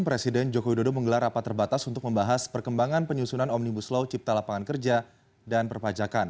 presiden joko widodo menggelar rapat terbatas untuk membahas perkembangan penyusunan omnibus law cipta lapangan kerja dan perpajakan